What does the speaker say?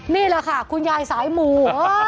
นี่แหละค่ะคุณยายสายหมู่